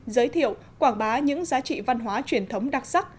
giới thiệu quảng bá những giá trị văn hóa truyền thống đặc sắc